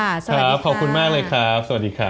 ครับขอบคุณมากเลยครับสวัสดีค่ะ